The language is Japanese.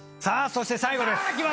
さあそして最後です。